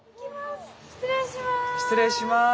失礼します！